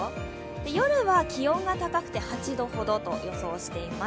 夜は気温が高くて８度ほどと予想しています。